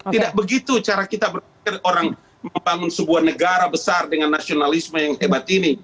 tidak begitu cara kita berpikir orang membangun sebuah negara besar dengan nasionalisme yang hebat ini